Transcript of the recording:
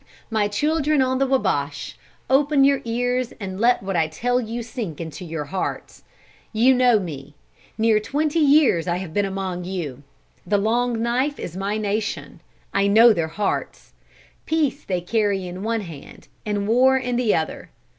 "My children on the Wabash, open your ears and let what I tell you sink into your hearts. You know me. Near twenty years I have been among you. The Long Knife is my nation. I know their hearts. Peace they carry in one hand and war in the other.